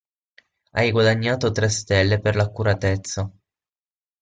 Hai guadagnato tre stelle per l‘accuratezza.